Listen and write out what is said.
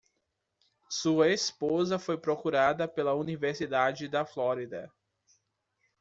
Sua esposa foi procurada pela Universidade da Flórida.